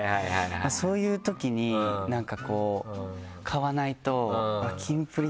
そういうときになんかこう買わないと。